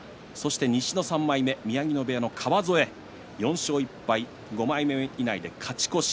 西の３枚目、宮城野部屋の川副４勝１敗、５枚目以内で勝ち越し。